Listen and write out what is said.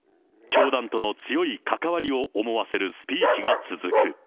教団との強い関わりを思わせるスピーチが続く。